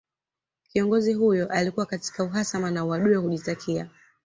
Kiongozi huyo alikuwa katikati ya uhasama na uadui wa kujitakia